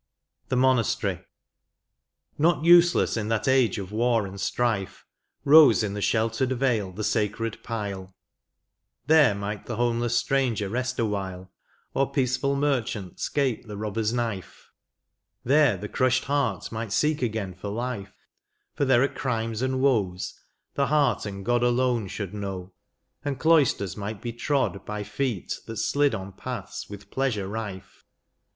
THE MONASTERY. Not useless, in that age of war and strife, Eose in the sheltered vale the sacred pile; There might the homeless stranger rest awhile. Or peaceful merchant scape the robbers knife; There the crushed heart might seek again for life; For there are crimes and woes the heart and God Alone should know, and cloisters might be trod By feet that slid on paths with pleasure rife.